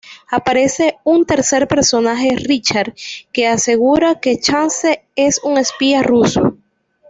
Aparece un tercer personaje, Richard, que asegura que Chance es un espía ruso.